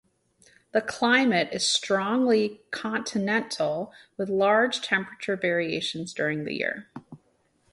The climate is strongly continental with large temperature variations during the year.